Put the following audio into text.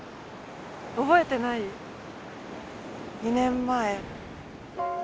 覚えてない？２年前。